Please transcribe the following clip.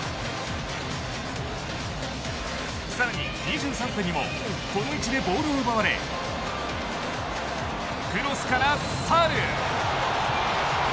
さらに２３分にもこの位置でボールを奪われクロスからサール。